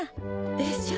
でしょ？